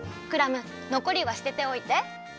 クラムのこりは捨てておいて。